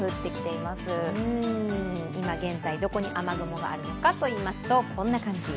いま現在、どこに雨雲があるのかといいますとこんな感じ。